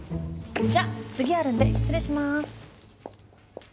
じゃ次あるんで失礼します。